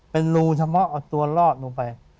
เป็นรูเฉพาะเอาตัวรอดลงไป